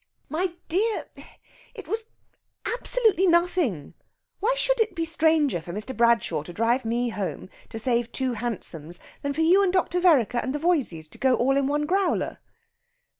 "My dear it was absolutely nothing! Why should it be stranger for Mr. Bradshaw to drive me home to save two hansoms than for you and Dr. Vereker and the Voyseys to go all in one growler?"